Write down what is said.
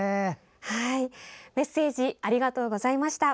メッセージありがとうございました。